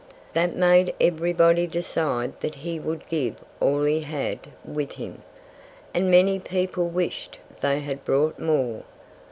That made everybody decide that he would give all he had with him. And many people wished they had brought more.